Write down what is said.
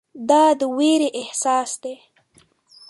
دا د ویرې احساس دی.